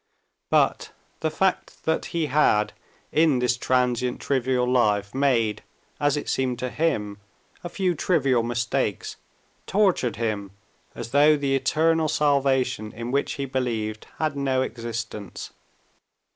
But the fact that he had in this transient, trivial life made, as it seemed to him, a few trivial mistakes tortured him as though the eternal salvation in which he believed had no existence.